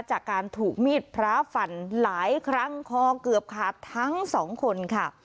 จากการถูกมีดพระฟันหลายครั้งคอเกือบขาดทั้งสองคนค่ะ